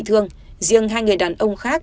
thương riêng hai người đàn ông khác